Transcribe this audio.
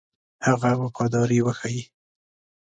هغه وفاداري وښيي.